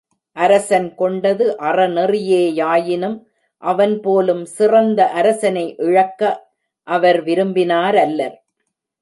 அரசன் கொண்டது அறநெறியே யாயினும், அவன் போலும், சிறந்த அரசனை இழக்க அவர் விரும்பினாரல்லர்.